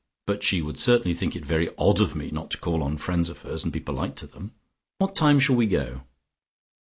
But she would certainly think it very odd of me not to call on friends of hers, and be polite to them. What time shall we go?"